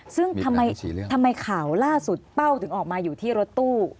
ซึ่งทำไมข่าวล่าสุดเป้าถึงออกมาอยู่ที่รถตู้